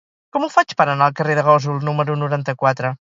Com ho faig per anar al carrer de Gósol número noranta-quatre?